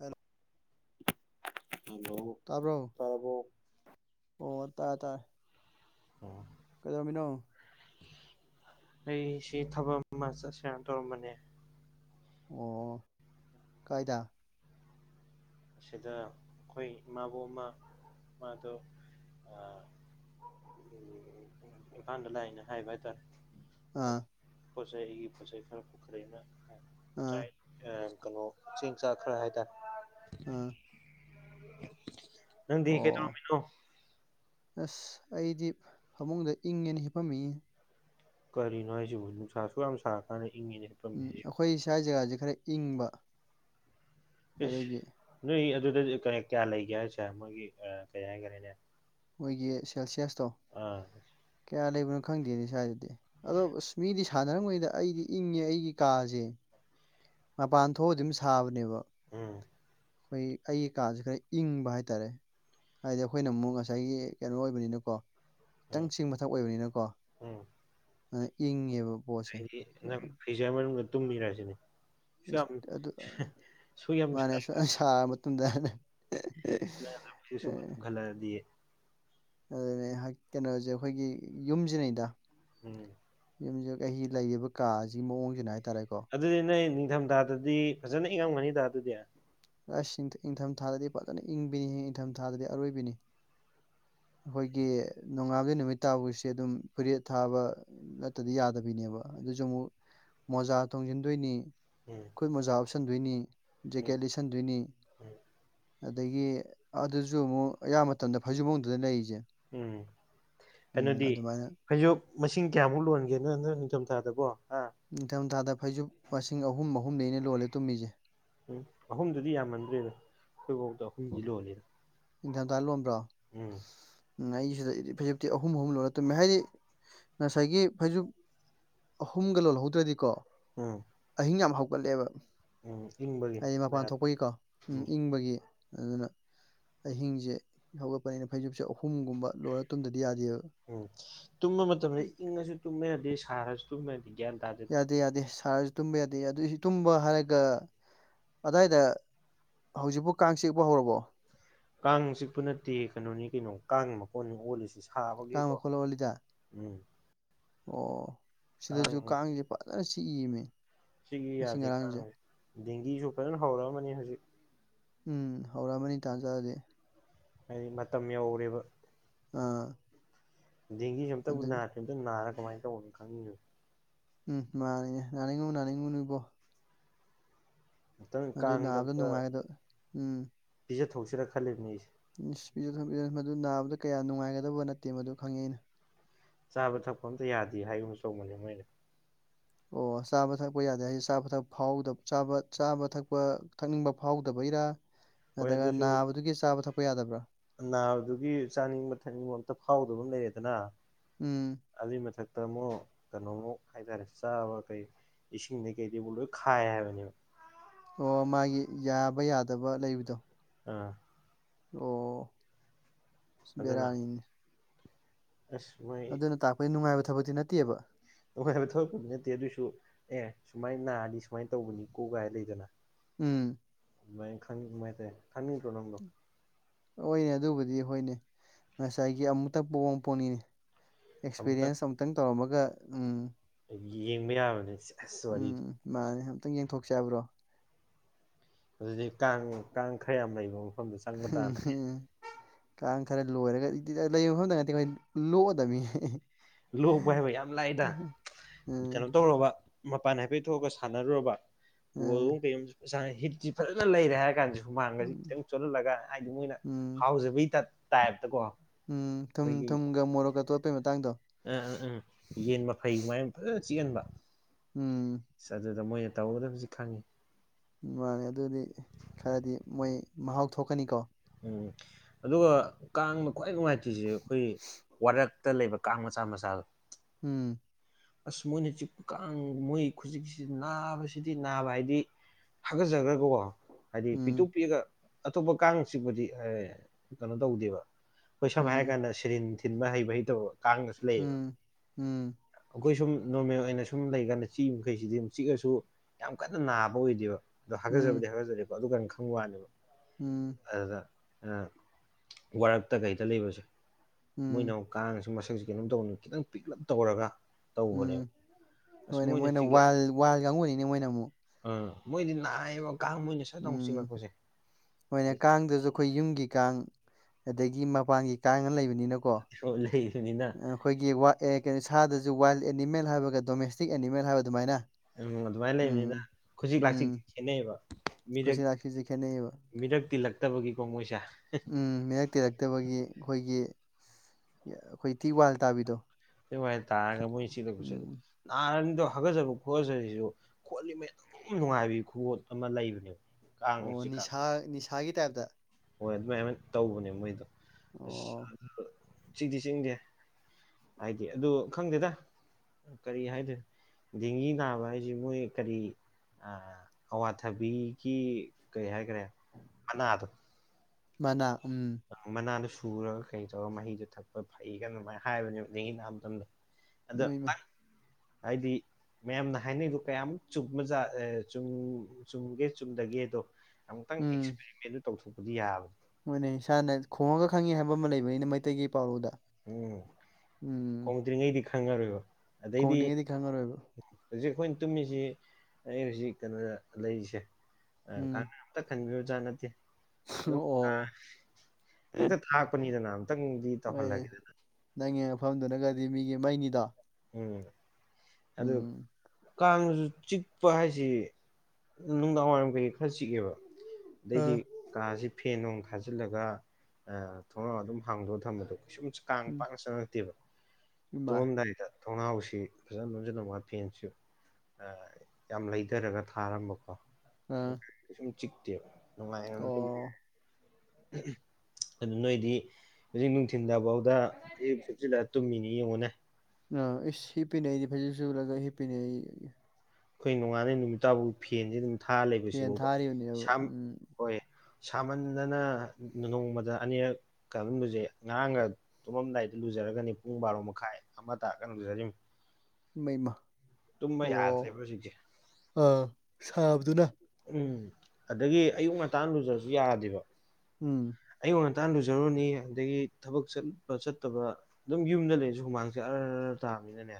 ꯑ [unintelligible] ꯍꯜꯂꯣ꯫ ꯇꯕ꯭ꯔꯣ ꯇꯥꯔꯕꯣ ꯑꯣ ꯇꯥꯔꯦ ꯇꯥꯔꯦ꯫ ꯎꯝ ꯀꯩꯗꯧꯔꯝꯃꯤꯅꯣ꯫ ꯑꯩꯁꯤ ꯊꯕꯛ ꯑꯃ ꯆꯠꯁꯤꯔꯅ ꯇꯧꯔꯝꯕꯅꯦ꯫ ꯑꯣ ꯀꯥꯏꯗ꯫ ꯑꯁꯤꯗ ꯑꯩꯈꯣꯏ ꯏꯃꯥꯕꯣꯛ ꯑꯃ ꯃꯥꯗꯣ ꯑꯥ ꯎꯝ ꯏꯝꯐꯥꯜꯗ ꯂꯥꯛꯑꯦꯅ ꯍꯥꯏꯕꯥꯏ ꯍꯥꯏꯇꯥꯔꯦ ꯑꯥ ꯫ ꯄꯣꯆꯩ ꯑꯩꯒꯤꯒꯤ ꯄꯣꯆꯩ ꯈꯔ [unintelligible] ꯈꯔꯅ ꯑꯥ ꯀꯩꯅꯣ ꯆꯦꯡ ꯆꯥꯛ ꯈꯔ ꯍꯥꯏꯇꯥꯔꯦ꯫ ꯑ ꯅꯪꯗꯤ ꯑꯣ ꯀꯩꯇꯧꯔꯝꯃꯤꯅꯣ꯫ ꯑꯁ ꯑꯩꯗꯤ ꯐꯃꯨꯡꯗ ꯏꯪꯉꯦꯅ ꯍꯤꯞꯄꯝꯃꯤ ꯀꯔꯤꯅꯣ ꯍꯥꯏꯁꯤꯕꯨ ꯅꯨꯡꯁꯥ ꯑꯁꯨꯛ ꯌꯥꯝ ꯁꯥꯔ ꯀꯥꯟꯗ ꯏꯪꯉꯦꯅꯦ ꯎꯝ ꯑꯩꯈꯣꯏ ꯁꯥꯏ ꯖꯒꯥꯁꯦ ꯈꯔ ꯏꯪꯕ꯫ ꯏꯁ ꯑꯗꯨꯒꯤ ꯅꯣꯏ ꯑꯗꯨꯗ ꯀꯌꯦꯛ ꯀꯌꯥ ꯂꯩꯒꯦ ꯍꯥꯏꯁꯦ ꯃꯣꯏꯒꯤ ꯑ ꯀꯩ ꯍꯥꯏꯒ꯭ꯔꯦꯅꯦ꯫ ꯃꯣꯏꯒꯤ ꯁꯦꯜꯁꯤꯌꯁꯇꯣ꯫ ꯑ [unintelligible] ꯀꯌꯥ ꯂꯩꯕꯅꯣ ꯈꯪꯗꯦꯅꯦ ꯁꯥꯏꯗꯗꯤ꯫ ꯑꯗꯣ ꯑꯁ ꯃꯤꯗꯤ ꯁꯥꯟꯅꯔꯝꯒꯅꯤꯗ ꯑꯩꯗꯤ ꯏꯪꯉꯦ ꯑꯩꯒꯤ ꯀꯥꯖꯦ꯫ ꯃꯄꯥꯟ ꯊꯣꯛꯑꯗꯤ ꯑꯗꯨꯝ ꯁꯥꯕꯅꯦꯕ꯫ ꯎꯝ꯫ ꯑꯩꯈꯣꯏ ꯑꯩꯒꯤꯀꯥꯖꯦ ꯈꯔ ꯏꯪꯕ ꯍꯥꯏꯇꯥꯔꯦ ꯍꯥꯏꯗꯤ ꯑꯈꯣꯏꯅ ꯑꯃꯨꯛ ꯉꯁꯥꯏꯒꯤ ꯀꯩꯅꯣ ꯑꯣꯏꯕꯅꯤꯅꯀꯣ꯫ ꯈꯤꯇꯪ ꯎꯝ ꯆꯤꯡꯃꯊꯛ ꯑꯣꯏꯕꯅꯤꯅꯀꯣ ꯎꯝ ꯏꯪꯉꯦꯕ ꯄꯣꯠꯁꯦ꯫ ꯑꯦꯛꯖꯥꯝ ꯃꯅꯨꯡꯗ ꯇꯨꯝꯃꯦ ꯍꯥꯢꯁꯤꯗꯤ ꯑꯗꯨ ꯁꯨ ꯌꯥꯝ ꯃꯥꯅꯦ ꯁꯥꯔ ꯃꯇꯨꯡꯗ ꯂꯥꯢꯔꯕ ꯅꯨꯄꯥꯁꯦ [unintelligible] ꯑꯗꯨꯅꯦ ꯀꯩꯅꯣꯖꯦ ꯑꯩꯈꯣꯏꯒꯤ ꯌꯨꯝꯖꯤꯅꯅꯤꯗ꯫ ꯎꯝ꯫ ꯌꯨꯝꯖꯨ ꯑꯩ ꯂꯩꯔꯤꯕ ꯀꯥꯖꯤꯒꯤ ꯃꯑꯣꯡꯖꯤꯅ ꯍꯥꯏꯇꯥꯔꯦꯀꯣ꯫ ꯑꯗꯨꯗꯤ ꯅꯣꯏ ꯅꯤꯡꯗꯝꯗꯥꯗꯤ ꯐꯖꯅ ꯏꯪꯉꯝꯒꯅꯤꯗ ꯑꯗꯨꯗꯤ꯫ ꯑꯁ ꯏ ꯏꯪꯊꯝꯊꯥꯗꯗꯤ ꯐꯖꯅ ꯏꯪꯕꯤꯅꯤꯍꯦ ꯏꯪꯊꯝꯊꯥꯗꯗꯤ ꯑꯔꯣꯏꯕꯤꯅꯤ꯫ ꯑꯈꯣꯏꯒꯤ ꯅꯣꯉꯥꯟꯕꯗꯩ ꯅꯨꯃꯤꯠ ꯇꯥꯕꯕꯧꯁꯦ ꯑꯗꯨꯝ ꯐꯨꯔꯤꯠ ꯑꯊꯥꯕ꯫ ꯅꯠꯇꯗꯤ ꯌꯥꯗꯕꯤꯅꯦꯕ ꯑꯗꯨꯖꯨ ꯑꯃꯨꯛ ꯃꯣꯖꯥ ꯇꯣꯡꯖꯟꯗꯣꯏꯅꯤ꯫ ꯎꯝ ꯈꯨꯠ ꯃꯣꯖꯥ ꯎꯞꯁꯟꯗꯣꯏꯅꯤ ꯎꯝ ꯖꯦꯀꯦꯠ ꯂꯤꯁꯟꯗꯣꯏꯅꯤ꯫ ꯎꯝ ꯑꯗꯒꯤ ꯑꯗꯨꯖꯨ ꯑꯃꯨꯛ ꯑꯌꯥꯝꯕ ꯃꯇꯝꯗ ꯐꯩꯖꯨꯞ ꯃꯅꯨꯡꯗꯅꯦ ꯂꯩꯔꯤꯖꯦ꯫ ꯎꯝ ꯎꯝ ꯀꯩꯅꯣꯗꯤ ꯑꯗꯨꯃꯥꯏꯅ ꯐꯩꯖꯣꯞ ꯃꯁꯤꯡ ꯀꯌꯥꯃꯨꯛ ꯂꯣꯟꯒꯦ ꯅꯣ ꯅꯣꯏ ꯏꯪꯊꯝꯊꯥꯗꯕꯣ ꯑ꯫ ꯅꯤꯡꯊꯝꯊꯥꯗ ꯐꯩꯖꯨꯞ ꯃꯁꯤꯡ ꯑꯍꯨꯝ ꯑꯍꯨꯝꯅꯦ ꯑꯩꯅ ꯂꯣꯜꯂ ꯇꯨꯝꯃꯤꯁꯦ꯫ ꯎꯝ ꯑꯍꯨꯝꯗꯨꯗꯤ ꯌꯥꯝꯃꯟꯗ꯭ꯔꯦꯗ ꯑꯩꯈꯣꯏꯕꯧꯗ ꯑꯍꯨꯝꯗꯤ ꯂꯣꯜꯂꯤꯗ꯫ ꯏꯪꯊꯗꯗꯥ ꯂꯣꯟꯕ꯭ꯔꯣ꯫ ꯎꯝ ꯎ ꯑꯩꯁꯤꯗꯗꯤ ꯐꯩꯖꯨꯞꯇꯤ ꯑꯍꯨꯝ ꯑꯍꯨꯝ ꯂꯣꯟꯂ ꯇꯨꯝꯃꯦ ꯍꯥꯏꯗꯤ ꯉꯁꯥꯏꯒꯤ ꯐꯩꯖꯨꯞ꯫ ꯑꯍꯨꯝꯒ ꯂꯣꯜꯍꯧꯗ꯭ꯔꯗꯤꯀꯣ꯫ ꯎꯝ꯫ ꯑꯍꯤꯡ ꯌꯥꯝ ꯍꯧꯒꯠꯂꯦꯕ꯫ ꯎꯝ ꯏꯪꯕꯒꯤ ꯍꯥꯏꯗꯤ ꯃꯄꯥꯟ ꯊꯣꯛꯄꯒꯤꯀꯣ ꯎꯝ ꯏꯪꯕꯒꯤ ꯑꯗꯨꯅ꯫ ꯑꯍꯤꯡꯖꯦ ꯍꯧꯒꯠꯄꯅꯤꯅ ꯐꯩꯖꯨꯞꯁꯦ ꯑꯍꯨꯝꯒꯨꯝꯕ ꯂꯣꯜꯂ ꯇꯨꯝꯗꯗꯤ ꯌꯥꯗꯦꯕ꯫ ꯎꯝ ꯇꯨꯝꯕ ꯃꯇꯝꯗ ꯏꯪꯉꯖꯨ ꯇꯨꯝꯕ ꯌꯥꯗꯦ ꯁꯥꯔꯁꯨ ꯇꯨꯝꯕꯌꯥꯗꯦ ꯒ꯭ꯌꯥꯟ ꯇꯥꯗꯦ꯫ ꯌꯥꯗꯦ ꯌꯥꯗꯦ ꯁꯥꯔꯁꯨ ꯇꯨꯝꯕ ꯌꯥꯗꯦ ꯑꯗꯨꯏꯁꯨ ꯇꯨꯝꯕ ꯍꯥꯏꯔꯒ ꯑꯗꯨꯋꯥꯏꯗ ꯍꯧꯖꯤꯛꯕꯨ ꯀꯥꯡ ꯆꯤꯛꯄ ꯍꯧꯔꯕꯣ ꯀꯥꯡ ꯆꯤꯛꯄ ꯅꯠꯇꯦ ꯀꯩꯅꯣꯅꯤ ꯀꯩꯅꯣ ꯀꯥꯡ ꯃꯀꯣꯟꯅꯤ ꯑꯣꯜꯂꯤꯁꯤ ꯀꯥꯡ ꯁꯥꯕꯒꯤꯀꯣ ꯃꯈꯣꯜ ꯂꯣꯜꯂꯤꯗ ꯎꯝ ꯑꯣ ꯀꯥꯡ ꯁꯤꯗꯁꯨ ꯀꯥꯡꯁꯦ ꯐꯖꯅ ꯆꯤꯛꯢꯃꯦ ꯆꯤꯛꯢ ꯌꯥꯗꯦ ꯀꯥꯡꯁꯦ ꯗꯦꯡꯒꯤꯁꯨ ꯐꯖꯅ ꯍꯧꯔꯛꯑꯃꯅꯤ ꯍꯧꯖꯤꯛ ꯎꯝ ꯍꯧꯔꯛꯑꯃꯅꯤ ꯇꯥꯟ ꯆꯥꯗ꯭ꯔꯗꯤ ꯍꯥꯏꯗꯤ ꯃꯇꯝ ꯌꯧꯔꯦꯕ ꯑꯥ ꯗꯦꯡꯒꯤꯁꯨ ꯑꯝꯇꯕꯨ ꯑꯗꯨꯅꯤ ꯅꯥꯔꯗꯤ ꯑꯝꯇ ꯅꯥꯔꯒ ꯀꯃꯥꯏꯅ ꯇꯧꯕꯅꯣ ꯈꯪꯅꯤꯡꯉꯤꯅꯦ ꯎꯝ ꯃꯥꯅꯤꯅꯦ ꯅꯅꯤꯡꯉꯨꯅꯣ ꯏꯕꯣ ꯑꯝꯇꯪ ꯑꯗꯨ ꯀꯥꯡꯗ ꯅꯥꯕꯗ ꯅꯨꯡꯉꯥꯏꯒꯗ ꯎꯝ ꯄꯤꯖꯊꯣꯛꯁꯤꯔ ꯈꯜꯂꯤꯕꯅꯤ ꯑꯩꯁꯦ ꯏꯁ [unintelligible] ꯃꯗꯨ ꯅꯥꯕꯗ ꯀꯌꯥ ꯅꯨꯡꯉꯥꯏꯒꯗꯕ ꯅꯠꯇꯦ ꯃꯗꯨ ꯈꯪꯉꯤ ꯑꯩꯅ ꯆꯥꯕ ꯊꯛꯄ ꯑꯝꯇ ꯌꯥꯗꯦ ꯍꯥꯏꯒꯨꯝꯁꯨ ꯇꯧꯕꯅꯦ ꯃꯣꯏꯅ ꯑꯣ ꯆꯥꯕ ꯊꯛꯄ ꯌꯥꯗꯦ ꯍꯥꯏꯁ ꯆꯥꯕ ꯊꯛꯄ ꯐꯥꯎꯗꯕ ꯆꯥꯕ ꯆꯥꯕ ꯊꯛꯄ ꯊꯛꯅꯤꯡꯕ ꯐꯥꯎꯗꯕꯩ꯭ꯔꯥ [inaudible] ꯅꯠꯇ꯭ꯔꯒ ꯅꯥꯕꯗꯨꯒꯤ ꯆꯥꯕ ꯊꯛꯄ ꯌꯥꯗꯕ꯭ꯔꯥ ꯅꯥꯕꯗꯨꯒꯤ ꯆꯥꯅꯤꯡꯕ ꯊꯛꯅꯤꯡꯕ ꯑꯝꯇ ꯐꯥꯎꯗꯕ ꯑꯃ ꯂꯩꯔꯦꯗꯅ ꯎꯝ ꯑꯗꯨꯏ ꯃꯊꯛꯇ ꯑꯃꯨꯛ ꯀꯩꯅꯣꯃꯨꯛ ꯍꯥꯏꯇꯥꯔꯦ ꯆꯥꯕ ꯀꯩ ꯏꯁꯤꯡꯗꯩ ꯀꯩꯗꯩꯕꯨ ꯂꯣꯏ ꯈꯥꯏ ꯍꯥꯏꯕꯅꯦꯕ ꯑꯣ ꯃꯥꯒꯤ ꯌꯥꯕ ꯌꯥꯗꯕ ꯂꯩꯕꯗꯣ ꯑꯥ ꯑꯣ ꯑꯗꯨꯅ ꯕ꯭ꯔꯥꯅꯤꯅꯦ ꯑꯁ ꯃꫭꯏ ꯑꯗꯨꯅ ꯇꯥꯛꯄꯩ ꯅꯨꯡꯉꯥꯏꯕ ꯊꯕꯛꯇꯤ ꯅꯠꯇꯦꯕ ꯅꯨꯡꯉꯥꯏꯕ ꯊꯕꯛꯄꯨꯗꯤ ꯅꯠꯇꯦ ꯑꯗꯨꯁꯨ ꯑꯦ ꯁꯨꯃꯥꯏ ꯅꯥꯔꯗꯤ ꯁꯨꯃꯥꯏꯅ ꯇꯧꯕꯅꯤ ꯀꯣꯛ ꯀꯥꯏ ꯂꯩꯗꯅ ꯎꯝ꯫ ꯑꯗꯨꯃꯥꯏ ꯈꯪꯅꯤꯡꯕ ꯍꯥꯏ ꯇꯥꯔꯦ ꯈꯪꯅꯤꯡꯗꫭ ꯅꯪꯕꯨ ꯍꯣꯏꯅꯦ ꯑꯗꯨꯕꯨꯗꯤ ꯍꯣꯏꯅꯦ ꯉꯁꯥꯏꯒꯤ ꯑꯃꯨꯛꯇꯪ ꯄꫭꯛꯄ ꯃꯄꫭꯛꯅꯤꯅꯦ ꯑꯃꯨꯛꯇꯪ ꯑꯦꯛꯁꯄꯤꯔꯤꯌꯦꯟꯁ ꯑꯃꯛꯇꯪ ꯇꯧꯔꯝꯃꯒ ꯎꯝ ꯌꯦꯡꯕ ꯌꯥꯕꯅꯤ ꯎꯝ ꯃꯥꯅꯦ ꯑꯃꯨꯛꯇꯪ ꯌꯦꯡꯊꯣꯛꯁꯦ ꯍꯥꯏꯕ꯭ꯔꯣ ꯑꯗꯨꯗꯤ ꯀꯥꯡ ꯀꯥꯡ ꯈꯔ ꯌꯥꯝ ꯂꯩꯕ ꯃꯐꯝꯗ ꯆꯪꯕ ꯇꯥꯕꯅꯦ꯫ ꯀꯥꯡ ꯈꯔꯥ ꯂꯣꯏꯔꯒ ꯂꯩ ꯃꯐꯝꯗ ꯅꯠꯇꯦ ꯑꯩꯈꫭꯏ ꯂꯣꯛꯑꯗꯕꯃꯤ ꯂꯣꯛꯄ ꯍꯥꯏꯕ ꯌꯥꯝ ꯂꯥꯏꯗ ꯎꯝ ꯀꯩꯅꯣ ꯇꯧꯔꫭꯕ ꯃꯄꯥꯟ ꯍꯥꯏꯐꯦꯠ ꯊꯣꯛꯑꯒ ꯁꯥꯟꯅꯔꯨꯔꯕ ꯎꯝ ꯎꯝ ꯕꯣꯜꯒꯨꯝ ꯀꯩꯒꯨꯝꯕ [unintelligible] ꯍꯤꯠꯇꯤ ꯐꯖꯅ ꯂꯩꯔꯦ ꯍꯥꯏꯔ ꯀꯥꯟꯗꯁꯨ ꯍꯨꯃꯥꯡꯒꯁꯤ ꯈꯤꯇꯪ ꯆꯣꯜꯍꯜꯂꯒ ꯍꯥꯏꯗꯤ ꯃꯣꯏꯅ ꯎꯝ ꯍꯥꯎꯖꯕꯤ ꯇꯥꯏꯞꯇꯀꯣ ꯎꯝ ꯊꯨꯝ ꯊꯨꯝꯒ ꯃꯣꯔꯣꯛꯀ ꯇꯣꯠꯄꯩ ꯃꯇꯥꯡꯗꯣ ꯑꯥ ꯑꯥ ꯑꯝ ꯌꯦꯟ ꯃꯐꯩ ꯗꯨꯃꯥꯏ ꯐꯖꯅ ꯆꯤꯛꯍꯟꯕ ꯎꯝ꯫ ꯏꯁ ꯑꯗꯨꯗꯥ ꯃꯣꯏꯅ ꯇꯧꯒꯗꯨꯕꯁꯤ ꯈꯪꯉꯤ ꯃꯥꯅꯦ ꯑꯗꯨꯗꯤ ꯈꯔꯗꯤ ꯃꯣꯏ ꯃꯍꯥꯎ ꯊꯣꯛꯀꯅꯤꯀꯣ꯫ ꯎꯝ ꯑꯗꯨꯒ ꯀꯥꯡꯅ ꯈ꯭ꯋꯥꯏ ꯅꯨꯡꯉꯥꯏꯇ꯭ꯔꯤꯁꯦ ꯑꯩꯈꯣꯏ ꯋꯥꯔꯛꯇ ꯂꯩꯕ ꯀꯥꯡ ꯃꯆꯥ ꯃꯆꯥꯗꫭ ꯎꯝ꯫ ꯑꯁ ꯃꯣꯏꯅ ꯆꯤꯛꯄ ꯀꯥꯡ ꯃꯣꯏ ꯈꯨꯖꯤꯛꯁꯤ ꯅꯥꯕꯁꯤꯗꯤ ꯅꯥꯕ ꯍꯥꯏꯗꯤ ꯍꯪꯒꯔꯖꯒ꯭ꯔꯒꯣ ꯍꯥꯏꯗꯤ ꯎꯝ ꯄꯤꯛꯇꯨꯛ ꯄꯤꯑꯒ ꯑꯇꯣꯞꯄ ꯀꯥꯡ ꯆꯤꯛꯄꯗꯤ ꯀꯩꯅꯣ ꯇꯧꯗꯦꯕ ꯑꯩꯈꯣꯏ ꯁꯝ ꯍꯥꯏꯔ ꯎꯝ ꯀꯥꯟꯗ ꯁꯤꯔꯤꯟ ꯊꯤꯟꯕ ꯍꯩꯕ ꯍꯩꯇꯕ ꯀꯥꯡꯗꯁꯨ ꯎꯝ ꯎꯝ꯫ ꯑꯩꯈꯣꯏ ꯁꯨꯝ ꯅꯣꯔꯃꯦꯜ ꯑꯣꯏꯅ ꯁꯨꯝ ꯂꯩꯀꯥꯟꯗ ꯆꯤꯛꯏ ꯃꯈꯩꯁꯤꯗꯤ ꯑꯗꯨꯝ ꯆꯤꯛꯑꯁꯨ ꯌꯥꯝ ꯀꯟꯅ ꯅꯥꯕ ꯑꯣꯏꯗꯦꯕ ꯑꯗꯣ ꯎꯝ ꯍꯥꯏꯒꯠꯆꯕꯗꯤ ꯍꯥꯏꯒꯠꯆꯔꯤꯀꯣ ꯑꯗꯨ ꯀꯩꯅ ꯈꯪꯕ ꯋꯥꯅꯦꯕ ꯎꯝ꯫ ꯑꯗꯨꯗ ꯑꯥ ꯋꯥꯔꯛꯇ ꯀꯩꯗ ꯂꯩꯕꯁꯦ ꯃꯣꯏꯅ ꯎꯝ ꯑꯃꯨꯛ ꯀꯥꯡꯁꯨ ꯃꯁꯛꯁꯤ ꯀꯩꯅꯣ ꯇꯧꯕꯅꯤ ꯈꯤꯇꯪ ꯄꯤꯛꯂꯞ ꯇꯧꯔꯒ ꯎꯝ ꯇꯧꯕꯅꯦꯕ ꯍꯣꯏꯅꯦ ꯃꯣꯏꯅ ꯋꯥꯜ ꯋꯥꯜ ꯀꯥꯡꯉꯨꯅꯤꯅꯦ ꯃꯣꯏꯅ ꯑꯃꯨꯛ ꯑ ꯃꯣꯏꯗꯤ ꯅꯥꯏꯕ ꯀꯥꯡ ꯃꯣꯏꯅ ꯆꯤꯛ ꯎꯝ꯫ ꯍꯣꯏꯅꯦ ꯀꯥꯡꯗꯨꯖꯨ ꯑꯩꯈꯣꯏ ꯌꯨꯝꯒꯤ ꯀꯥꯡ ꯑꯗꯒꯤ ꯃꯄꯥꯟꯒꯤ ꯀꯥꯡꯅ ꯂꯩꯕꯅꯤꯅꯀꯣ ꯁꯣꯔ ꯂꯩꯕꯅꯤꯅ ꯑꯩꯈꯣꯏꯒꯤ ꯋꯥꯠ ꯑꯦ ꯀꯩꯅꯣ ꯁꯥꯗꯖꯨ ꯋꯥꯏꯜ ꯑꯦꯅꯤꯃꯦꯜ ꯍꯥꯏꯕꯒ ꯗꯣꯃꯦꯁꯇꯤꯛ ꯑꯦꯅꯤꯃꯦꯜ ꯍꯥꯏꯕ ꯑꯗꯨꯃꯥꯏꯅ ꯎꯝ ꯑꯗꯨꯃꯥꯏꯅ ꯂꯩꯕꯅꯤꯅ ꯎꯝ ꯈꯨꯖꯤꯛ ꯂꯥꯛꯁꯤꯛꯇꯤ ꯎꯝ ꯈꯦꯠꯅꯩꯕ ꯑꯩꯈꯣꯏ ꯃꯤꯔꯛ ꯆꯤꯟꯖꯥꯛꯁꯤꯁꯦ ꯈꯦꯠꯅꯩꯌꯦꯕ ꯃꯤꯔꯛ ꯇꯤꯜꯂꯛꯇꯕꯒꯤꯀꯣ ꯃꯣꯏꯁꯦ ꯎꯝ ꯃꯤꯔꯛ ꯇꯤꯔꯛꯇꯕꯒꯤ ꯑꯩꯈꯣꯏꯒꯤ ꯑꯩꯈꯣꯏ ꯊꯤ ꯋꯥꯏꯜ ꯇꯥꯕꯤꯗꯣ ꯑꯗꯨꯃꯥꯏꯅ ꯇꯥꯔꯒ ꯃꯣꯏ ꯆꯤꯛꯂꯛꯄꯁꯦ ꯎꯝ ꯅꯥꯔꯅꯤꯗꯣ ꯍꯥꯒꯠꯆꯕ ꯈꯣꯠꯂꯖꯁꯤꯁꯨ ꯈꯣꯠꯂꯤ ꯃꯩ [unintelligible] ꯅꯨꯡꯉꯥꯏꯕꯒꯤ ꯈꯨꯠꯋꯣꯠ ꯑꯃ ꯂꯩꯕꯅꯦꯕ ꯀꯥꯡ ꯑꯣ ꯆꯤꯛꯀꯥꯟꯗ ꯅꯤꯁꯥ ꯅꯤꯁꯥꯒꯤ ꯇꯥꯏꯞꯇꯥ ꯍꯣꯏ ꯑꯗꯨꯃꯥꯏꯅ ꯇꯧꯕꯅꯦ ꯃꯣꯏꯗꯣ ꯑꯁ ꯑꯣ ꯆꯤꯗꯤ ꯆꯤꯡꯗꯦ ꯍꯥꯏꯗꯤ ꯑꯗꯨ ꯈꯪꯗꯦꯗ ꯀꯔꯤ ꯍꯥꯏꯗꯣꯏ ꯗꯦꯡꯒꯤ ꯅꯥꯕ ꯍꯥꯏꯖꯤ ꯃꯣꯏ ꯀꯔꯤ ꯑꯋꯥꯊꯕꯤꯒꯤ ꯀꯩ ꯍꯥꯏꯒ꯭ꯔꯦ ꯃꯅꯥꯗꯣ ꯃꯥꯅꯥ ꯎꯝ ꯃꯅꯥꯗꯣ ꯁꯨꯔꯒ ꯀꯩ ꯇꯧꯔꯒ ꯃꯍꯤꯗꯣ ꯊꯛꯄ ꯐꯩꯒꯅ ꯑꯗꯨꯃꯥꯏꯅ ꯍꯥꯏꯕꯅꯦꯕ ꯗꯦꯡꯒꯤ ꯅꯕ ꯃꯇꯝꯗꯣ ꯑꯗꯣ ꯃꯩꯃ ꯇꯪ ꯍꯥꯏꯗꯤ ꯃꯌꯥꯝꯅ ꯍꯥꯏꯅꯩꯗꯣ ꯀꯌꯥꯝꯃꯨꯛ ꯆꯨꯝꯕꯖꯥ ꯑꯥ ꯆꯨꯝ ꯆꯨꯝꯒꯦ ꯆꯨꯝꯗꯒꯦꯗꯣ ꯑꯃꯨꯛꯇꯪ ꯑꯦꯛꯁꯄꯦꯔꯤꯃꯦꯟꯗꯨ ꯇꯧꯊꯣꯛꯄꯗꯤ ꯌꯥꯕꯅꯤ ꯍꯣꯏꯅꯦ ꯏꯁꯥꯅ ꯈꯣꯡꯉꯒ ꯈꯪꯉꯤ ꯍꯥꯏꯕ ꯑꯃ ꯂꯩꯕꯅꯤꯅ ꯃꯩꯇꯩꯒꯤ ꯄꯥꯎꯔꯧꯗ ꯎꯝ ꯎꯝꯈꯣꯡꯗ꯭ꯔꯤꯉꯩꯗꯤ ꯈꯪꯉꯔꯣꯏꯕ ꯑꯗꯩꯗꯤ ꯈꯣꯡꯗ꯭ꯔꯤꯉꯩꯗꯤ ꯈꯪꯉꯔꯣꯏꯕ ꯍꯧꯖꯤꯛ ꯑꯩꯈꯣꯏꯅ ꯇꯨꯝꯃꯤꯁꯤ ꯑꯩ ꯍꯧꯖꯤꯛ ꯀꯩꯅꯣꯗ ꯂꯩꯔꯤꯁꯦ ꯑꯥ ꯎꯝ [unintelligible] ꯇꯥ ꯈꯟꯕꯤꯕ ꯖꯥꯠ ꯅꯠꯇꯦ ꯑꯗꯨꯝ ꯑꯣ [unintelligible] ꯊꯥꯔꯛꯄꯅꯤꯗꯅ ꯑꯝꯇꯪꯗꯤ ꯇꯧꯍꯜꯂꯒꯦ ꯍꯣꯏꯅꯦ ꯅꯪꯒꯤ ꯃꯐꯝꯗꯨꯅꯒꯗꯤ ꯃꯤꯒꯤ ꯃꯩꯅꯤꯗꯣ ꯎꯝ ꯑꯗꯨ ꯎꯝ ꯀꯥꯡꯖꯨ ꯆꯤꯛꯄ ꯍꯥꯏꯁꯤ ꯅꯨꯡꯗꯥꯡꯋꯥꯏꯔꯝ ꯀꯩꯀꯩ ꯈꯔ ꯆꯤꯛꯑꯦꯕ ꯑꯗꯩꯗꯤ ꯑ ꯀꯥꯥꯖꯤ ꯐꯦꯟ ꯅꯨꯡ ꯈꯥꯖꯤꯜꯂꯒ ꯑꯥ ꯊꯣꯡꯅꯥꯎ ꯑꯗꯨꯝ ꯍꯥꯡꯗꯣꯛꯒ ꯊꯝꯕꯗꯣ ꯀꯩꯁꯨꯝ ꯀꯥꯡ ꯎꯝ ꯄꯥꯛꯅ ꯆꯪꯉꯛꯇꯦꯕ ꯏꯃꯥꯏ ꯇꯨꯝꯃꯝꯗꯥꯏꯒꯤꯗ ꯊꯣꯡꯅꯥꯎꯁꯤ ꯐꯖꯟ ꯂꯣꯟꯖꯤꯜꯂꯝꯒ ꯐꯦꯟꯁꯨ ꯌꯥꯝ ꯂꯩꯗꯔꯒ ꯊꯥꯔꯝꯕꯀꯣ ꯑꯥ ꯀꯩꯁꯨꯝ ꯆꯤꯛꯇꯦꯕ ꯅꯨꯉꯥꯏꯔ ꯑꯣ ꯑꯗꯨ ꯅꯣꯏꯗꯤ ꯍꯧꯖꯤꯛ ꯅꯨꯡꯊꯤꯟꯗꯐꯥꯎ ꯗ ꯐꯩꯖꯨꯞ ꯁꯨꯞꯆꯤꯜꯂꯒ ꯇꯨꯝꯃꯤꯅꯤ ꯌꯦꯡꯉꯨꯅꯦ ꯑꯥ ꯏꯁ ꯍꯤꯞꯄꯤꯅꯤ ꯑꯩꯗꯤ ꯐꯩꯖꯨꯞ ꯁꯨꯞꯆꯤꯜꯂꯒ ꯍꯦꯞꯄꯤ ꯅꯦ ꯑꯩ ꯑꯩꯈꯣꯏ ꯅꯣꯡꯉꯥꯅꯩ ꯅꯨꯃꯤꯠ ꯇꯥꯕꯥꯎ ꯐꯦꯟꯖꯦ ꯑꯗꯨꯝ ꯊꯥ ꯂꯩꯕ ꯐꯦꯟ ꯁꯤꯕꯥꯎꯗ ꯊꯥꯔꯤꯕꯅꯦꯕ ꯁꯝ ꯎꯝ ꯑꯣꯏ ꯁꯥꯃꯟꯗꯅ ꯅꯣꯡꯃꯗ ꯑꯅꯤꯔꯛ [unintelligible] ꯉꯔꯥꯡꯒ ꯇꯨꯝꯃꯝꯗꯥꯏꯗ ꯂꯨꯖꯔꯒꯅꯤ ꯄꯨꯡ ꯕꯥꯔꯣ ꯃꯈꯥꯏ ꯑꯃ ꯇꯥꯔꯒ ꯂꯨꯖꯔꯤꯝ ꯏꯃꯩꯃꯥ ꯇꯨꯝꯕ ꯌꯥꯗ꯭ꯔꯦꯕ ꯑꯣ ꯍꯧꯖꯤꯛꯁꯦ ꯑꯥ ꯁꯥꯕꯗꯨꯅ ꯎꯝ ꯑꯗꯒꯤ ꯑꯌꯨꯛ ꯉꯥꯟꯇꯥ ꯂꯨꯖꯔꯁꯨ ꯌꯥꯗꯦꯕ ꯎꯝ ꯑꯌꯨꯛ ꯉꯟꯇꯥꯥ ꯂꯨꯖꯔꯨꯅꯤ ꯑꯗꯒꯤ ꯊꯕꯛ ꯆꯠꯄ ꯆꯠꯇꯕ ꯑꯗꯨꯝ ꯌꯨꯝꯗ ꯂꯩꯔꯖꯨ ꯍꯨꯃꯥꯡꯖꯦ ꯑꯔ ꯇꯥꯕꯅꯤꯅꯅꯦ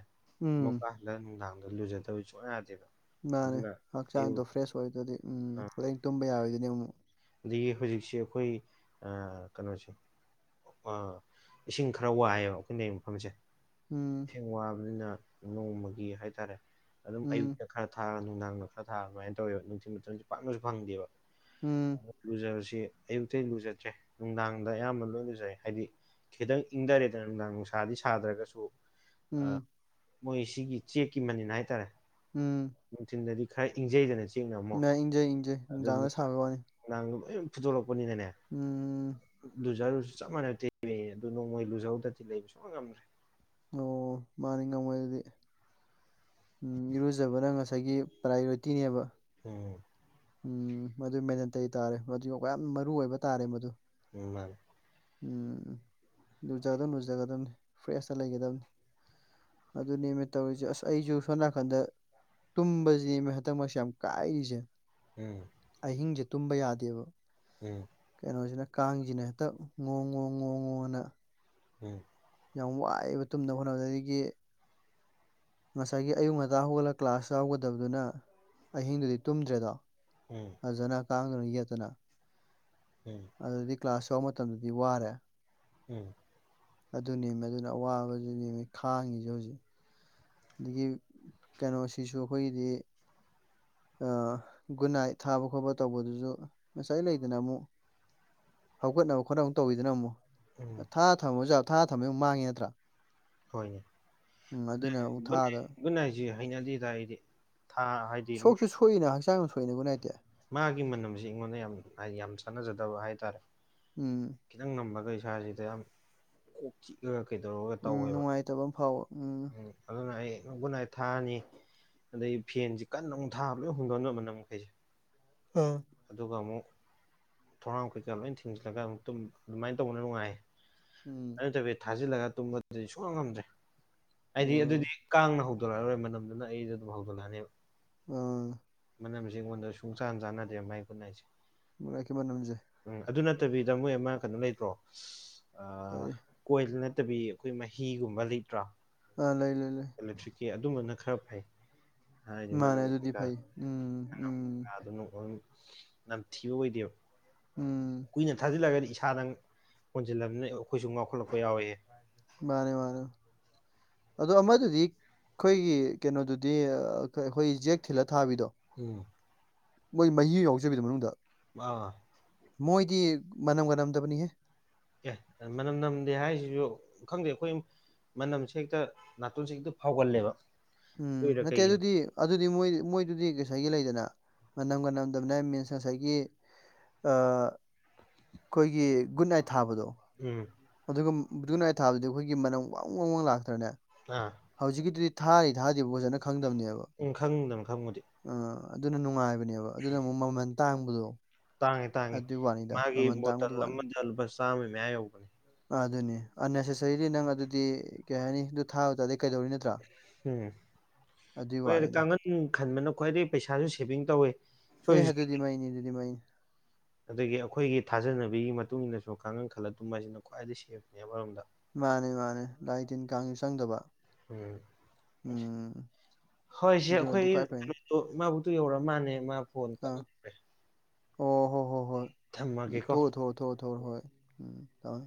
ꯎꯝ ꯑꯃꯃꯨꯀꯥ ꯍꯜꯂ ꯅꯨꯡꯗꯥꯡꯗ ꯂꯨꯖꯗꯕ ꯁꯨꯡꯌꯥ ꯌꯥꯗꯦꯕ ꯃꯥꯅꯦ ꯑꯗꯨꯅ ꯍꯛꯆꯥꯡꯗꯣ ꯑꯌꯨꯛ ꯐ꯭ꯔꯦꯁ ꯑꯣꯏꯗꯗꯤ ꯎꯝ ꯑ ꯂꯦꯡ ꯇꯨꯝꯕ ꯌꯥꯔꯣꯏꯗꯨꯅꯦ ꯑꯃꯨꯛ ꯑꯗꯒꯤ ꯍꯧꯖꯤꯛꯁꯦ ꯑꯩꯈꯣꯏ ꯑꯥ ꯀꯥꯅꯣꯁꯦ ꯑ ꯏꯁꯤꯡ ꯈꯔ ꯋꯥꯏꯌꯦꯕ ꯑꯩꯈꯣꯏꯅ ꯂꯩꯔꯤ ꯃꯐꯝꯁꯦ ꯎꯝ ꯏꯁꯤꯡ ꯋꯥꯕꯅꯤꯅ ꯅꯣꯡꯃꯒꯤ ꯍꯥꯏꯇꯥꯔꯦ ꯑꯗꯨꯝ ꯎꯝ ꯑꯌꯨꯛꯇ ꯈꯔ ꯊꯥꯔꯒ ꯅꯨꯡꯗꯥꯡꯗ ꯈꯔ ꯊꯥꯔꯒ ꯑꯗꯨꯃꯥꯏꯅ ꯇꯧꯋꯦꯕ ꯅꯨꯡꯊꯤꯜ ꯃꯇꯝꯁꯦ ꯄꯥꯛꯅꯁꯨ ꯐꯪꯗꯦꯕ ꯎꯝ ꯂꯨꯖꯕꯁꯤ ꯑꯌꯨꯛꯇꯗꯤ ꯂꯨꯖꯗ꯭ꯔꯦ ꯅꯨꯡꯗꯥꯡꯗ ꯑꯌꯥꯝꯕꯅ ꯂꯣꯏ ꯂꯨꯖꯩ ꯍꯥꯏꯗꯤ ꯈꯤꯇꯪ ꯏꯪꯊꯔꯦꯗꯅ ꯅꯨꯡꯗꯥꯡ ꯅꯨꯡꯁꯥꯗꯤ ꯁꯥꯗ꯭ꯔꯒꯁꯨ ꯎꯝ ꯑ ꯎꯝ ꯃꯣꯏ ꯁꯤꯒꯤ ꯆꯦꯛꯀꯤ ꯃꯅꯤꯟ ꯍꯥꯏꯇꯥꯔꯦ ꯎꯝ ꯅꯨꯡꯊꯤꯟꯗꯗꯤ ꯈꯔ ꯏꯪꯖꯩꯗꯅ ꯆꯦꯛꯅ ꯑꯃꯨꯛ [unintelligible] ꯏꯪꯖꯩ ꯏꯪꯖꯩ ꯑꯗꯨ ꯅꯨꯡꯗꯥꯡꯗ ꯁꯥꯕꯩ ꯋꯥꯅꯤ ꯅꯨꯡꯗꯥꯡꯗ ꯂꯣꯏ ꯐꯨꯗꯣꯔꯛꯄꯅꯤꯅꯅꯦ ꯎꯝ ꯑꯗꯨꯖꯥꯔꯁꯨ ꯆꯞ ꯃꯥꯅꯩ [unintelligible] ꯅꯣꯡꯃꯩ ꯂꯨꯖꯧꯍꯧꯗ꯭ꯔꯗꯤ ꯂꯩꯕ ꯁꯨꯛꯉꯝ ꯉꯝꯗ꯭ꯔꯦ ꯑꯣ ꯃꯥꯅꯤ ꯉꯝꯃꯣꯏ ꯑꯗꯨꯗꯤ ꯎꯝ ꯏꯔꯨꯖꯕꯅ ꯉꯁꯥꯏꯒꯤ ꯄ꯭ꯔꯥꯏꯌꯣꯔꯤꯇꯤꯅꯦꯕ ꯎꯝ ꯎꯝ ꯃꯗꯨ ꯃꯦꯟ ꯇꯩ ꯇꯥꯔꯦ ꯃꯗꯨ ꯌꯥꯝ ꯃꯔꯨ ꯑꯣꯏꯕ ꯇꯥꯔꯦ ꯃꯗꯨ ꯎꯝ ꯃꯥꯅꯤ ꯎꯝ ꯂꯨꯖꯒꯗꯝ ꯂꯨꯖꯒꯗꯝꯕꯅꯤ ꯐ꯭ꯔꯦꯁꯇ ꯂꯩꯒꯗꯝꯅꯤ ꯑꯗꯨꯅꯦꯃꯤ ꯇꯧꯔꯤꯁꯦ ꯑꯁ ꯑꯩꯁꯨ ꯁꯣꯝ ꯅꯥꯀꯟꯗ ꯇꯨꯝꯕꯁꯤꯅꯦ ꯃꯤ ꯍꯟꯇꯛ ꯃꯔꯛꯁꯦ ꯌꯥꯝ ꯀꯥꯏꯔꯤꯁꯦ ꯎꯝ ꯑꯍꯤꯡꯁꯦ ꯇꯨꯝꯕ ꯌꯥꯗꯦꯕ ꯎꯝ ꯀꯩꯅꯣꯁꯤꯅ ꯀꯥꯡꯁꯤꯅ ꯍꯦꯛꯇ ꯉꯣꯡ ꯉꯣꯡ ꯉꯣ ꯉꯨꯅ ꯎꯝ ꯌꯥꯝ ꯋꯥꯏꯑꯦꯕ ꯇꯨꯝꯅꯕ ꯍꯣꯠꯅꯕ ꯑꯗꯒꯤ ꯉꯁꯥꯏꯒꯤ ꯑꯌꯨꯛ ꯉꯟꯇꯥ ꯍꯧꯒꯠꯂꯒ ꯀ꯭ꯂꯥꯁ ꯌꯥꯎꯒꯗꯕꯗꯨꯅ ꯑꯍꯤꯡꯗꯨꯗꯤ ꯇꯨꯝꯗ꯭ꯔꯦꯗꯣ ꯎꯝ ꯐꯖꯅꯥ ꯀꯥꯥꯟꯒꯗꯣ ꯌꯦꯠꯇꯅ ꯎꯝ ꯑꯗꯨꯗꯤ ꯀ꯭ꯂꯥꯁ ꯌꯥꯎꯕ ꯃꯇꯝꯗꯗꯤ ꯋꯥꯔꯦ ꯎꯝ ꯑꯗꯨ ꯅꯦꯝꯃꯦ ꯑꯗꯨꯅ ꯑꯋꯥꯕꯁꯤꯅꯦꯃꯤ ꯈꯥꯡꯉꯤꯁꯦ ꯍꯧꯖꯤꯛ ꯑꯗꯒꯤ ꯀꯩꯅꯣꯁꯤꯁꯨ ꯑꯈꯣꯏꯒꯤꯗꯤ ꯑ ꯒꯨꯗ ꯅꯥꯏꯠ ꯊꯥꯕ ꯈꯣꯠꯄ ꯇꯧꯕꯗꯨꯁꯨ ꯉꯁꯥꯏ ꯂꯩꯗꯅ ꯑꯃꯨꯛ ꯍꯧꯒꯠꯅꯕ ꯈꯣꯠꯅꯕ ꯇꯧꯋꯤꯗꯅ ꯑꯃꯨꯛ ꯎꯝ ꯊꯥ ꯊꯝꯃꯨꯁꯨ ꯌꯥ ꯊꯥ ꯊꯝꯕꯩ ꯑꯃꯨꯛ ꯃꯥꯡꯉꯦ ꯅꯠꯇ꯭ꯔꯥ ꯍꯣꯏꯅꯦ ꯎꯝ ꯑꯗꯨꯅ ꯑꯃꯨꯛ ꯊꯥꯗ [unintelligible] ꯍꯩꯅꯗꯦꯗ ꯑꯩꯗꯤ ꯊꯥ ꯍꯥꯏꯗꯤ ꯁꯣꯛꯁꯨ [unintelligible] ꯁꯣꯛꯏꯅ ꯍꯛꯆꯥꯡ ꯁꯣꯛꯏꯅ ꯒꯨꯗꯅꯥꯏꯠꯇꯤ [unintelligible] ꯃꯥꯒꯤ ꯃꯅꯝꯁꯤ ꯑꯩꯉꯣꯟꯗ ꯌꯥꯝ ꯍꯥꯏꯗꯤ ꯌꯥꯝ ꯆꯥꯟꯅꯖꯗꯕ ꯍꯥꯏꯇꯥꯔꯦ ꯎꯝ ꯈꯤꯇꯪ ꯅꯝꯕꯒ ꯏꯁꯥꯁꯤꯗ ꯌꯥꯝ ꯀꯣꯛ ꯆꯤꯛꯑꯒ ꯀꯩꯗꯧꯔꯒ ꯎꯝ ꯇꯧꯋꯦꯕ ꯅꯨꯡꯉꯥꯏꯇꯕ ꯑꯃ ꯐꯥꯎꯕ ꯎꯝ ꯎ ꯑꯗꯨꯅ ꯑꯩ [unintelligible] ꯊꯥꯔꯅꯤ ꯑꯗꯩ ꯐꯦꯟꯁꯤ ꯀꯟꯅ ꯑꯃꯨꯛ ꯊꯥꯕ ꯂꯣꯏ ꯍꯣꯡꯗꯣꯛꯅꯕ ꯅꯝ ꯃꯈꯩꯁꯦ ꯑꯝ ꯑꯗꯨꯒ ꯑꯃꯨꯛ ꯊꯣꯡꯅꯥꯎ ꯀꯩꯀꯥ ꯂꯣꯏ ꯊꯤꯡꯖꯤꯜꯂꯒ ꯑꯃꯨꯛ ꯇꯨꯝ ꯑꯗꯨꯃꯥꯏꯅ ꯇꯧꯕꯅ ꯅꯨꯡꯉꯥꯏ ꯎꯝ ꯊꯥꯖꯤꯜꯂꯕ ꯇꯨꯝꯕꯗꯨꯗꯤ ꯁꯨꯡꯉꯝ ꯉꯝꯗ꯭ꯔꯦ ꯑ ꯍꯥꯏꯗꯤ ꯑꯗꯨꯗꯤ ꯀꯥꯡꯅ ꯍꯧꯕ ꯍꯧꯂꯛꯑꯔꯣꯏ ꯃꯅꯥꯝꯗꯨꯅ ꯑꯩꯁꯨ ꯑꯗꯨꯝ ꯍꯧꯗꯣꯛꯂꯛꯑꯅꯦꯕ ꯑꯥ ꯃꯅꯝꯁꯦ ꯑꯩꯉꯣꯟꯗ ꯁꯨꯡꯆꯥꯟꯅ ꯆꯥꯟꯅꯗꯦꯕ ꯃꯥꯏ ꯀꯨꯠꯅꯥꯏꯁꯦ [unintelligible] ꯒꯤ ꯃꯅꯥꯝꯁꯦ ꯎꯝ ꯑꯗꯨ ꯅꯠꯇꯕꯤꯗ ꯃꯣꯏ ꯑꯃ ꯀꯩꯅꯣ ꯂꯩꯇ꯭ꯔꯣ ꯐꯩ ꯀꯣꯏꯜ ꯅꯠꯇꯕꯤ ꯑꯩꯈꯣꯏ ꯃꯍꯤꯒꯨꯝꯕ ꯂꯩꯇ꯭ꯔꯥ ꯑꯥ ꯂꯩ ꯂꯩ ꯏꯂꯦꯛꯇ꯭ꯔꯤꯛꯀꯤ ꯑꯗꯨꯝꯕꯅ ꯈꯔ ꯐꯩ ꯍꯥꯏꯗꯤ ꯃꯥꯅꯦ ꯃꯅꯥꯝ ꯑꯗꯨꯗꯤ ꯀꯩꯀꯥ ꯐꯩ ꯎꯝ ꯎꯝ ꯑꯗꯨꯅ ꯅꯝꯊꯤꯕ ꯑꯣꯏꯗꯦꯕ ꯎꯝ ꯀꯨꯏꯅ ꯊꯥꯖꯤꯜꯂꯒꯗꯤ ꯏꯁꯥꯗ ꯍꯣꯟꯁꯤꯜꯂꯕꯅꯤꯅ ꯑꯩꯈꯣꯏꯁꯨ ꯉꯥꯎꯈꯠꯂꯥꯛꯄ ꯌꯥꯎꯋꯦꯕ ꯃꯥꯅꯦ ꯃꯥꯅꯦ ꯑꯗꯣ ꯑꯃꯗꯨꯗꯤ ꯑꯩꯈꯣꯏꯒꯤ ꯀꯩꯅꯣꯗꯨꯗꯤ ꯑꯩꯈꯣꯏ ꯖꯦꯛ ꯊꯤꯜꯂ ꯊꯥꯕꯤꯗꯣ ꯎꯝ ꯃꯣꯏ ꯃꯍꯤ ꯌꯥꯎꯖꯕꯤꯗꯨ ꯃꯅꯨꯡꯗ ꯑꯥ ꯃꯣꯏꯗꯤ ꯃꯅꯝꯒ ꯅꯝꯗꯕꯅꯤꯍꯦ ꯑꯦ ꯃꯅꯝ ꯅꯝꯗꯦ ꯍꯥꯏꯁꯤꯁꯨ ꯈꯪꯗꯦ ꯑꯩꯈꯣꯏ ꯃꯅꯝꯁꯦ ꯍꯦꯛꯇ ꯅꯥꯇꯣꯟꯁꯤ ꯍꯦꯛꯇ ꯐꯥꯎꯒꯜꯂꯦꯕ ꯎꯝ ꯑꯗꯨꯏꯔꯥ ꯅꯠꯇꯦ ꯀꯩꯒꯤꯅꯣ ꯑꯗꯨꯗꯤ ꯑꯗꯨꯗꯤ ꯃꯣꯏ ꯃꯣꯏꯗꯨꯗꯤ ꯉꯁꯥꯏꯒꯤ ꯂꯩꯗꯅ ꯃꯅꯝꯒ ꯅꯝꯗꯕꯅꯦ ꯃꯤꯟꯁ ꯉꯁꯥꯏꯒꯤ ꯑꯩꯈꯣꯏꯒꯤ ꯒꯨꯠ ꯅꯥꯏꯠ ꯊꯥꯕꯗꯣ ꯎꯝ ꯑꯗꯨꯒ ꯒꯨꯠ ꯅꯥꯢꯠ ꯊꯥꯕꯗꯤ ꯑꯩꯈꯣꯏꯒꯤ ꯃꯅꯝ ꯋꯥꯡ ꯋꯥꯡ ꯂꯥꯛꯇ꯭ꯔꯅꯦ ꯑꯥ ꯍꯧꯖꯤꯛꯀꯤꯗꯨꯗꯤ ꯊꯥꯔꯤ ꯊꯥꯗꯔꯤꯔ ꯐꯖꯅ ꯈꯪꯗꯝꯅꯦꯕ ꯑꯝ ꯈꯪꯕꯨꯗꯤ ꯈꯪꯕꯅꯦ ꯑꯥ ꯑꯗꯨꯅ ꯅꯨꯡꯉꯥꯏꯕꯅꯦꯕ ꯑꯗꯨꯅ ꯑꯃꯨꯛ ꯃꯃꯜ ꯇꯥꯡꯕꯗꯣ ꯇꯥꯡꯉꯤ ꯇꯥꯡꯉꯤ ꯑꯗꯨꯏ ꯋꯥꯅꯤꯗ ꯃꯥꯒꯤ ꯃꯃꯜ ꯕꯣꯇꯜ ꯇꯥꯡꯕꯗꯨ ꯋꯥꯅꯤ ꯑꯃꯗ ꯂꯨꯄꯥ ꯆꯥꯝꯃ ꯃꯌꯥ ꯌꯧꯕꯅꯦ ꯑꯗꯨꯅꯤ ꯑꯟꯅꯦꯁꯦꯁꯔꯤꯗꯤ ꯅꯪ ꯑꯗꯨꯗꯤ ꯀꯩ ꯍꯥꯏꯅꯤ ꯑꯗꯨ ꯊꯥꯕ ꯇꯥꯔꯗꯤ ꯀꯩꯗꯧꯔꯨꯅꯤ ꯎꯝ ꯍꯣꯏ ꯑꯗꯨ ꯋꯥꯅꯤꯗ ꯀꯥꯡꯈꯟ ꯈꯟꯕꯅ ꯈ꯭ꯋꯥꯏꯗꯒꯤ ꯄꯩꯁꯥꯁꯨ ꯁꯦꯚꯤꯡ ꯇꯧꯋꯤ ꯁꯣꯏ ꯑꯦ ꯑꯗꯨꯗꯤ ꯃꯩꯅꯤ ꯑꯗꯨꯗꯤ ꯃꯩꯅꯤ ꯑꯗꯒꯤ ꯑꯩꯈꯣꯏꯒꯤ ꯊꯥꯖꯅꯕꯤꯒꯤ ꯃꯇꯨꯡ ꯏꯟꯅꯁꯨ ꯀꯥꯡꯈꯟ ꯈꯜꯂ ꯇꯨꯝ ꯍꯥꯏꯕꯁꯤꯅ ꯈ꯭ꯋꯥꯏ ꯁꯦꯐꯅꯦ ꯑꯃꯔꯣꯝꯗ ꯃꯥꯅꯦ ꯃꯥꯅꯦ ꯂꯥꯏ ꯇꯤꯟ ꯀꯥꯡꯁꯨ ꯆꯪꯗꯕ ꯎꯝ ꯎꯝ ꯍꯣꯏ ꯁꯦ ꯑꯗꯨꯅꯗꯤ ꯑꯩꯈꯣꯏ ꯈ꯭ꯋꯥꯏ ꯐꯩ ꯢꯃꯥꯕꯣꯛꯇꯣ ꯌꯧꯔꯛꯑ ꯃꯥꯜꯂꯦ ꯃꯥ ꯐꯣꯟ ꯑꯥ ꯀꯟꯅ ꯇꯧꯔꯛꯑꯦ ꯑꯣ ꯍꯣ ꯍꯣ ꯍꯣꯏ ꯊꯝꯃꯒꯦꯀꯣ ꯊꯣꯛꯑꯣ ꯊꯣꯛꯑꯣ ꯊꯝꯃꯣ ꯊꯥꯝꯃꯣ ꯍꯣꯏ ꯎꯝ